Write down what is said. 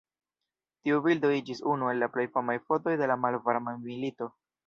Tiu bildo iĝis unu el la plej famaj fotoj de la malvarma milito.